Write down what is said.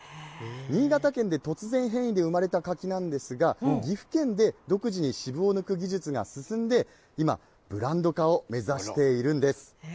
新潟県で突然変異で生まれた柿なんですが、岐阜県で独自に渋を抜く技術が進んで、今、ブランド化を目指しているんです。